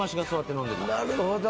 なるほど！